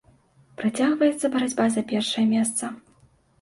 Працягваецца барацьба за першае месца.